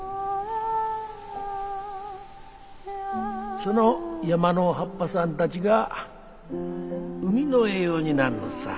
その山の葉っぱさんたちが海の栄養になんのっさ。